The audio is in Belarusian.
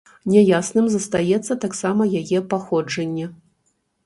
Няясным застаецца таксама яе паходжанне.